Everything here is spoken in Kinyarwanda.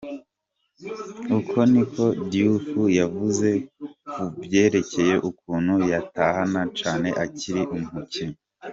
Uko niko Diouf yavuze ku vyerekeye ukuntu yahatana cane akiri umukinyi.